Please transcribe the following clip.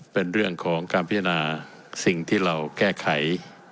เป็นเรื่องของการพิจารณาสิ่งที่เราแก้ไข